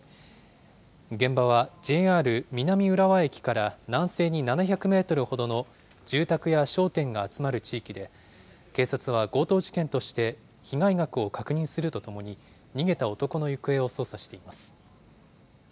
現場はＪＲ南浦和駅から南西に７００メートルほどの住宅や商店が集まる地域で、警察は強盗事件として被害額を確認するとともに、逃げた男の行方を捜査しています。